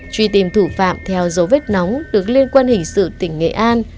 truy tìm thủ phạm theo dấu vết nóng được liên quan hình sự tỉnh nghệ an